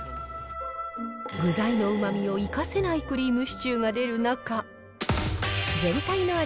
具材のうまみを生かせないクリームシチューが出る中、全体の味